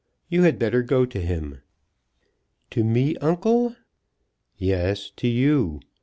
You had better go to him." "To me, uncle?" "Yes, to you.